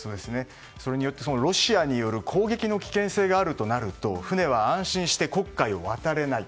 それによって、ロシアによる攻撃の危険性があるとなると船は安心して黒海を渡れない。